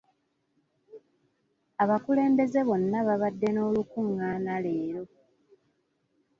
Abakulembeze bonna babadde n'olukungaana leero.